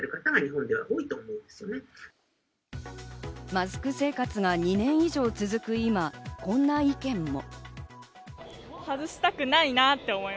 マスク生活が２年以上続く今、こんな意見も。